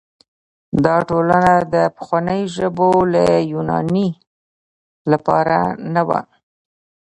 دا ټولنه د پخوانیو ژبو لکه یوناني لپاره نه وه.